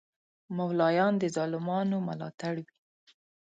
مولایان د ظالمانو ملاتړ وی